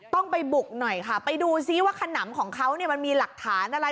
ต้องไปบุกหน่อยค่ะไปดูซิว่าขนำของเขาเนี่ยมันมีหลักฐานอะไร